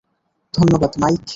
ধন্যবাদ, মাইক।